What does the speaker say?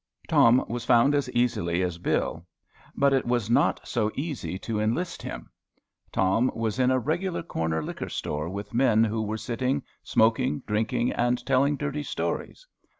Tom was found as easily as Bill. But it was not so easy to enlist him. Tom was in a regular corner liquor store with men who were sitting smoking, drinking, and telling dirty stories.